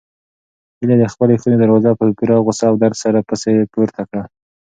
هیلې د خپلې خونې دروازه په پوره غوسه او درد سره پسې پورته کړه.